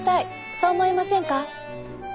そう思いませんか？